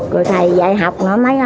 rồi thầy dạy học nữa